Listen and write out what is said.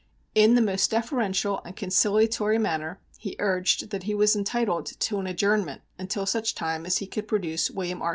In the most deferential and conciliatory manner he urged that he was entitled to an adjournment until such time as he could produce William R.